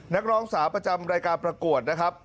นักร้องสาวประจำรายการประกวดนะครับ